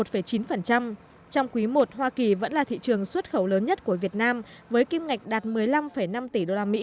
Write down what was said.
trong quý i hoa kỳ vẫn là thị trường xuất khẩu lớn nhất của việt nam với kim ngạch đạt một mươi năm năm tỷ usd